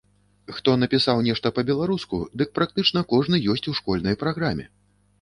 Хто напісаў нешта па-беларуску, дык практычна кожны ёсць у школьнай праграме.